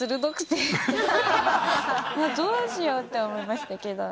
「どうしよう？」って思いましたけど。